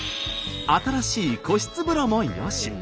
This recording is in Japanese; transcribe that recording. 新しい個室風呂もよし。